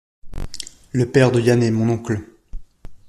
Le père de Yann est mon oncle.